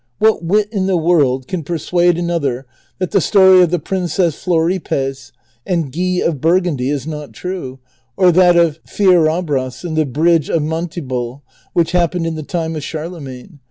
What wit in the world can persuade another that the story of the Princess Floripes and Guy of Burgundy is not true, or that of rieral;)ras and the bridge of jNIantible, which happened in the time of Charlemagne